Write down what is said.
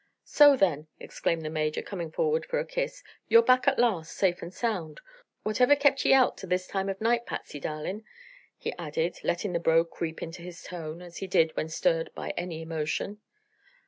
"So, then," exclaimed the Major, coming forward for a kiss, "you're back at last, safe and sound. Whatever kept ye out 'til this time o' night, Patsy darlin'?" he added, letting the brogue creep into his tone, as he did when stirred by any emotion.